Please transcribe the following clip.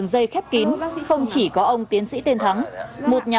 ngày mai thì em ở dặn hay ở xa